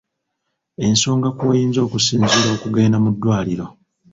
Ensonga kw’oyinza okusinziira okugenda mu ddwaliro.